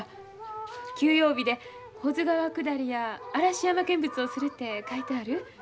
休養日で保津川下りや嵐山見物をするて書いてある。